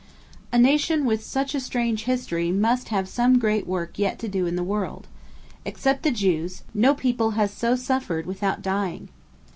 A nation with such a strange history must have some great work yet to do in the world. Except the Jews, no people has so suffered without dying.